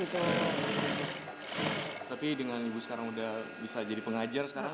tapi dengan ibu sekarang udah bisa jadi pengajar sekarang